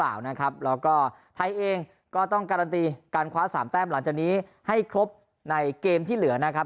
นะครับแล้วก็ไทยเองก็ต้องการันตีการคว้าสามแต้มหลังจากนี้ให้ครบในเกมที่เหลือนะครับ